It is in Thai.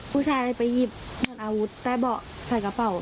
ผู้ชายไปหยิบอาวุธใต้เบาะใส่กระเป๋า